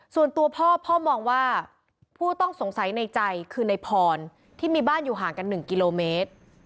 ส่วนตัวพ่อพ่อมองว่าผู้ต้องสงสัยในใจคือในพรที่มีบ้านอยู่ห่างกัน๑กิโลเมตร